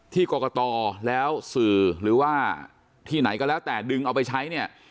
ที่กรกตแล้วสื่อหรือว่าที่ไหนก็แล้วแต่ดึงเอาไปใช้เนี่ย